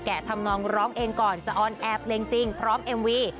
ทำนองร้องเองก่อนจะออนแอร์เพลงจริงพร้อมเอ็มวี